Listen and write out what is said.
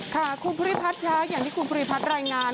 ค่ะคุณภูริพัฒน์ค่ะอย่างที่คุณภูริพัฒน์รายงาน